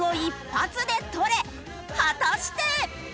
果たして！？